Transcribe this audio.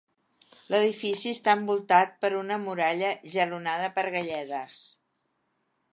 L'edifici està envoltat per una muralla jalonada per galledes.